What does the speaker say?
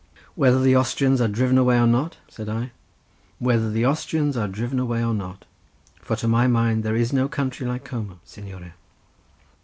"Whether the Austrians are driven away or not?" said I. "Whether the Austrians are driven away or not—for to my mind there is no country like Como, signore."